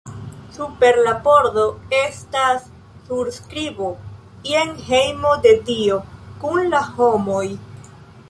Super la pordo estas surskribo: Jen hejmo de Dio kun la homoj.